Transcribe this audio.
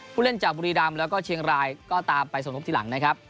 ผู้เล่นจากบุรีรำแล้วก็เชียงรายก็ตามไปสมทบทีหลังนะครับ